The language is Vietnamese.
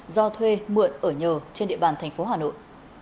do thuê mượn ở nhờ trên địa bàn tp hà nội